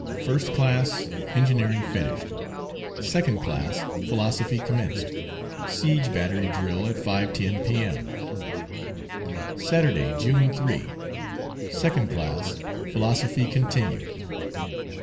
First class, engineering finished. Second class, philosophy commenced. Siege battery drill at 5.10 P.M. Saturday, June 3. Second class, philosophy continued.